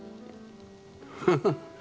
フフッ。